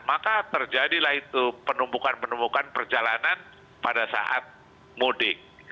maka terjadilah itu penumpukan penumpukan perjalanan pada saat mudik